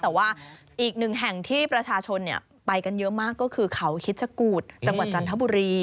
แต่ว่าอีกหนึ่งแห่งที่ประชาชนไปกันเยอะมากก็คือเขาคิดชะกูดจังหวัดจันทบุรี